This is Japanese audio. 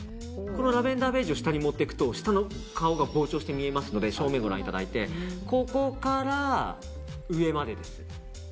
このラベンダーベージュを下に持っていくと下の顔が膨張して見えますのでここから上までです。